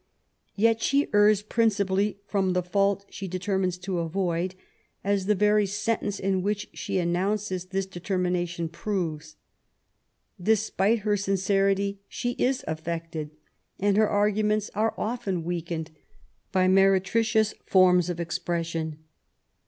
Yet she errs principally from the fault she deter mines to avoids as the very sentence in which she announces this determination proves. Despite her sincerity, she is affected, and her arguments are often weakened by meretricious forms of expression.